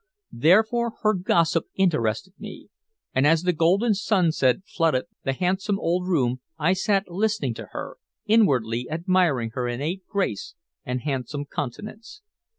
Therefore her gossip interested me, and as the golden sunset flooded the handsome old room I sat listening to her, inwardly admiring her innate grace and handsome countenance.